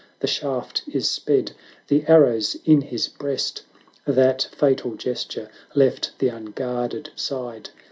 The shaft is sped — the arrow's in his breast ! That fatal gesture left the unguarded side.